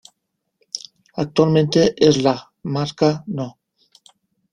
Actualmente es la Marca no.